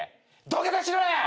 土下座しろや！